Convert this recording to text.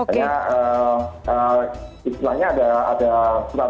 karena istilahnya ada strategi jawa